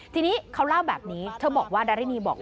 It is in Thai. ทีนี้เขาเล่าแบบนี้เธอบอกว่าดารินีบอก